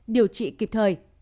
điều trị kịp thời